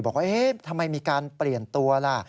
บอกว่าทำไมมีการเปลี่ยนตัวล่ะ